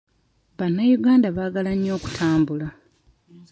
Bannayuganda baagala nnyo okutambula.